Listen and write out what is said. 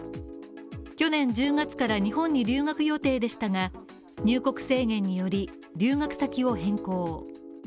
去年１０月から日本に留学予定でしたが入国制限により留学先を変更。